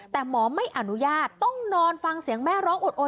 แต่หมอไม่อนุญาตต้องนอนฟังเสียงแม่ร้องอดโอ